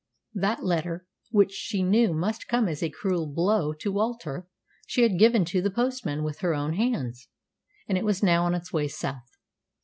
That letter, which she knew must come as a cruel blow to Walter, she had given to the postman with her own hands, and it was now on its way south.